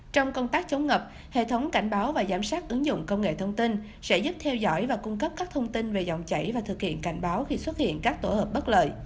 trong công tác chống ngập hệ thống cảnh báo và giám sát ứng dụng công nghệ thông tin sẽ giúp theo dõi và cung cấp các thông tin về dòng chảy và thực hiện cảnh báo khi xuất hiện các tổ hợp bất lợi